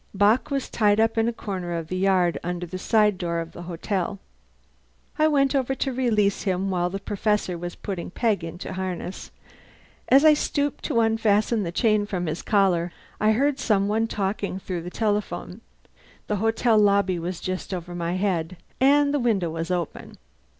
Bock was tied up in a corner of the yard, under the side door of the hotel. I went over to release him while the Professor was putting Peg into harness. As I stooped to unfasten the chain from his collar I heard some one talking through the telephone. The hotel lobby was just over my head, and the window was open.